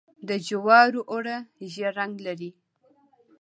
د جوارو اوړه ژیړ رنګ لري.